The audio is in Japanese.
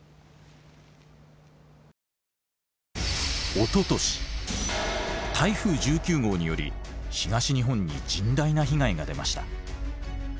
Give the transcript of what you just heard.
おととし台風１９号により東日本に甚大な被害が出ました。